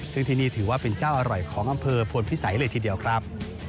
ซึ่งที่นี่ถือว่าเป็นเจ้าอร่อยของอำเภอพลพิสัยเลยทีเดียวครับ